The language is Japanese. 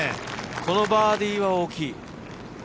このバーディーは大きい。